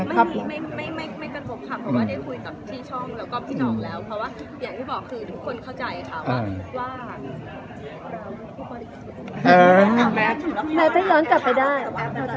ออกมาไม่ได้แต่ว่าก็เข้าใจเพราะว่ามันขายได้อ่ะเนอะ